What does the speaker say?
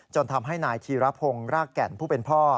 ทำให้นายธีรพงศ์รากแก่นผู้เป็นพ่อ